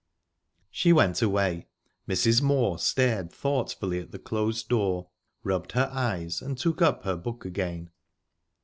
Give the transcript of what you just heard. She went away. Mrs. Moor stared thoughtfully at the closed door, rubbed her eyes, and took up her book again.